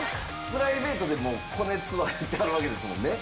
プライベートでもコネツアーやってはるわけですもんね。